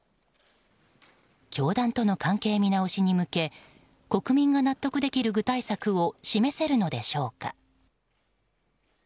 教団との関係見直しに向け国民が納得できる具体策を示せるのでしょうか。